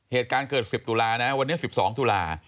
เหตุการณ์เกิด๑๐ตุลานะวันนี้๑๒ตุลา